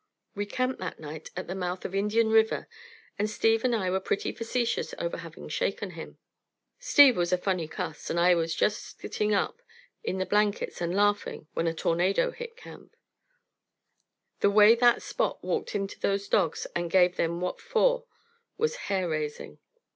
We camped that night at the mouth of Indian River, and Steve and I were pretty facetious over having shaken him. Steve was a funny cuss, and I was just sitting up in the blankets and laughing when a tornado hit camp. The way that Spot walked into those dogs and gave them what for was hair raising.